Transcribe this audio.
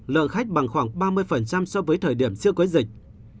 lượng khách bằng khoảng ba mươi so với thời điểm trước cuối dịch